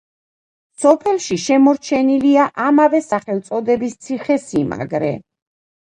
სოფელში შემორჩენილია ამავე სახელწოდების ციხესიმაგრე.